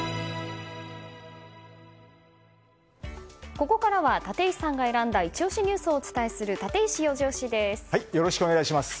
ここからは立石さんが選んだイチ推しニュースをお伝えするよろしくお願いします。